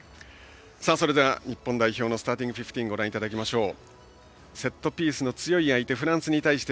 それでは日本代表のスターティングフィフティーンをご覧いただきましょう。